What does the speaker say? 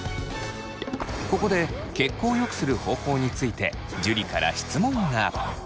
ここで血行を良くする方法について樹から質問が。